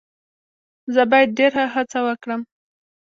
زه باید ډیر هڅه وکړم.